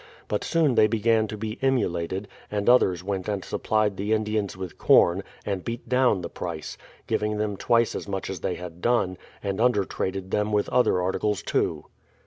But soon they began to be emulated, and others went and supplied the Indians with corn, and beat down the price, giving them twice as much as they had done, and under traded them with other articles too.